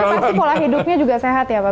pasti pola hidupnya juga sehat ya pak